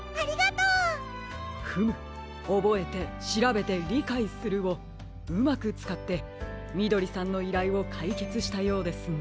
フム「おぼえてしらべてりかいする」をうまくつかってみどりさんのいらいをかいけつしたようですね。